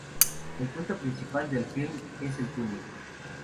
El punto principal del film es el tuning.